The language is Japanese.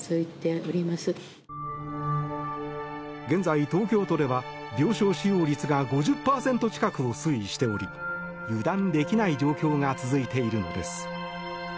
現在、東京都では病床使用率が５０％近くを推移しており油断できない状況が続いているのです。